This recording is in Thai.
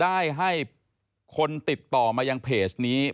ไม่รู้ว่าใครชกต่อยกันอยู่แล้วอะนะคะ